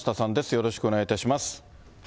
よろしくお願いします。